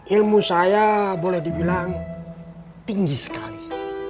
ilmu saya boleh dibilang tinggi sekali